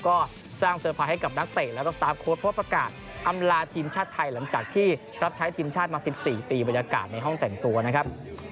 ก็สร้างเซอร์ไพรส์ให้กับนักเตะแล้วก็สตาร์ฟโค้ดเพราะประกาศอำลาทีมชาติไทยหลังจากที่รับใช้ทีมชาติมา๑๔ปีบรรยากาศในห้องแต่งตัวนะครับ